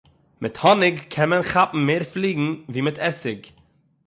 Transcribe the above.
מיט האָניק קען מען כאַפּן מער פֿליגן ווי מיט עסיק.